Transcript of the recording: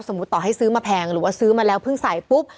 ต่อให้ซื้อมาแพงหรือว่าซื้อมาแล้วเพิ่งใส่ปุ๊บ